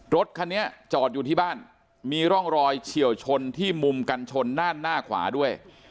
รถคันนี้จอดอยู่ที่บ้านมีร่องรอยเฉียวชนที่มุมกันชนด้านหน้าขวาด้วย